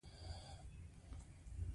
مومن خان غوښتل ځواب داسې ورکړي چې ولاړ شي.